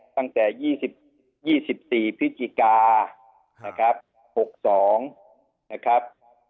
ตั้งแต่๒๔พิจิกานะครับ